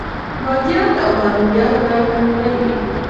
مادیات او معنویات باید انډول وي.